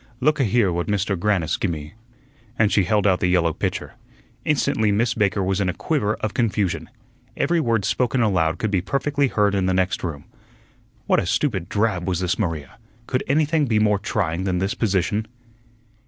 "Look a here what Mister Grannis gi' me," and she held out the yellow pitcher. Instantly Miss Baker was in a quiver of confusion. Every word spoken aloud could be perfectly heard in the next room. What a stupid drab was this Maria! Could anything be more trying than this position?